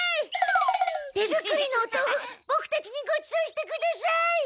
手作りのおとうふボクたちにごちそうしてください！